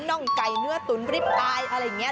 ่องไก่เนื้อตุ๋นริปอายอะไรอย่างนี้